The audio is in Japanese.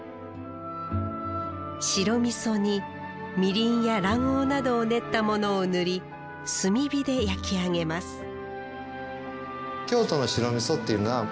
白みそにみりんや卵黄などを練ったものを塗り炭火で焼き上げます